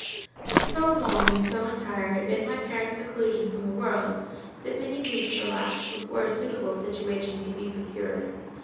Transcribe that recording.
But so long and so entire had been my parents' seclusion from the world, that many weeks elapsed before a suitable situation could be procured.